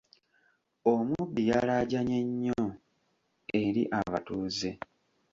Omubbi yalaajanye nnyo eri abatuuze.